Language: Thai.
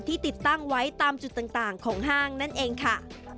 ติดตั้งไว้ตามจุดต่างของห้างนั่นเองค่ะ